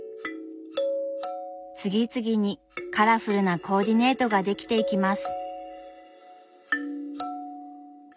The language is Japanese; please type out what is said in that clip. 次々にカラフルなコーディネートができていきます。